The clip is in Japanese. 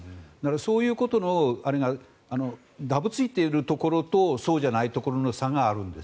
そういうところがだぶついているところとそうじゃないところの差があるんです。